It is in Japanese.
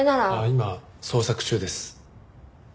今捜索中です。